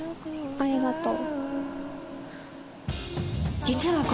ありがとう。